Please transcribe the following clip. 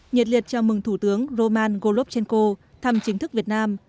nhiệt liệt chào mừng thủ tướng roman golovchenko thăm chính thức việt nam